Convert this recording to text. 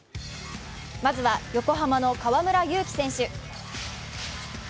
まずは横浜の河村勇輝選手。